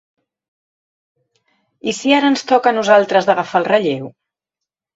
I si ara ens toca a nosaltres d'agafar el relleu?